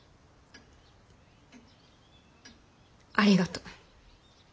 ありがとう。